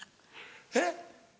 えっ。